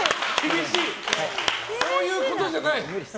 こういうことじゃない？